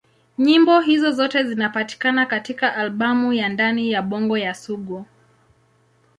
Nyimbo hizo zote zinapatikana katika albamu ya Ndani ya Bongo ya Sugu.